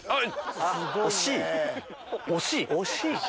惜しい？